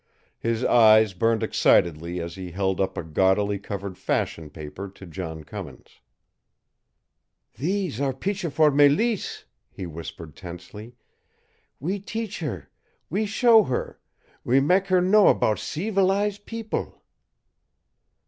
His eyes burned excitedly as he held up a gaudily covered fashion paper to John Cummins. "Theese are picture for Mélisse!" he whispered tensely. "We teach her we show her we mak her know about ceevilize people!"